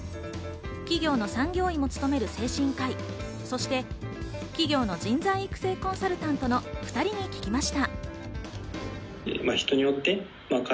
企業の産業医も務める精神科医、そして企業の人材育成コンサルタントの２人に聞きました。